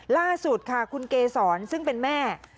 ล่าสุดค่ะคุณเกษรซึ่งเป็นแม่